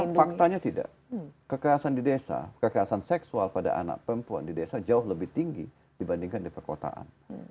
faktanya tidak kekerasan di desa kekerasan seksual pada anak perempuan di desa jauh lebih tinggi dibandingkan di perkotaan